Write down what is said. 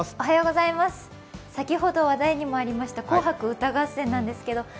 先ほど話題にもありました「紅白歌合戦」なんですけど